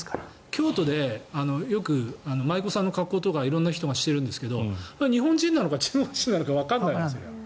京都でよく舞妓さんの格好とか色んな人がしているんですけど日本人なのか中国人なのかわからないですよ。